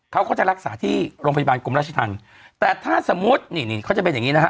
เขาก็จะรักษาที่โรงพยาบาลกรมราชธรรมแต่ถ้าสมมุตินี่นี่เขาจะเป็นอย่างงี้นะฮะ